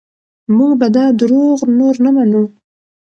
موږ به دا دروغ نور نه منو.